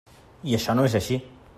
I això no és així.